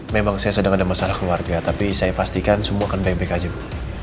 memang saya sedang ada masalah keluarga tapi saya pastikan semua akan baik baik aja bu